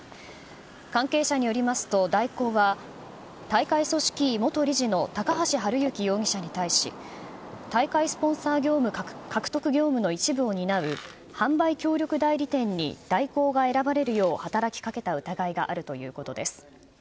関係者によりますと、大広は大会組織委元理事の高橋治之容疑者に対し、大会スポンサー獲得業務の一部を担う販売協力代理店に大広が選ばれるよう働きかけた疑いがあるということです。